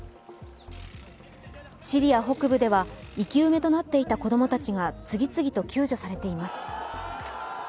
シリア北部では、生き埋めとなっていた子供たちが次々と救助されています。